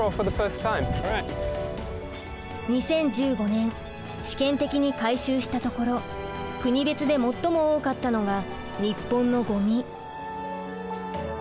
２０１５年試験的に回収したところ国別で最も多かったのが日本のごみ。